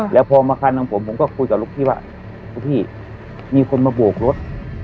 แล้วพอมาคันของผมผมก็คุยกับลูกพี่ว่าพี่มีคนมาโบกรถ